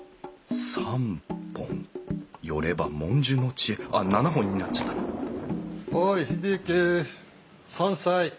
３本寄れば文殊の知恵あっ７本になっちゃったおい英之山菜。